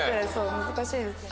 難しいですよね。